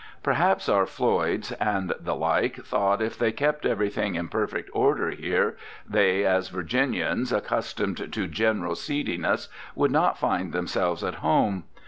Perhaps our Floyds, and the like, thought, if they kept everything in perfect order here, they, as Virginians, accustomed to general seediness, would not find themselves at home.